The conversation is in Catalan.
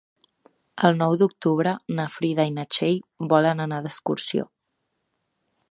El nou d'octubre na Frida i na Txell volen anar d'excursió.